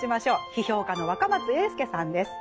批評家の若松英輔さんです。